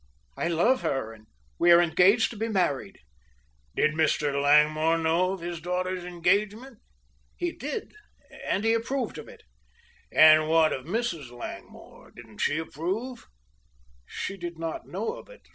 I love her and we are engaged to be married." "Did Mr. Langmore know of his daughter's engagement?" "He did, and he approved of it." "And what of Mrs. Langmore, didn't she approve?" "She did not know of it.